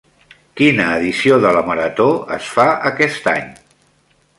Quina edició de la Marató es fa aquest any?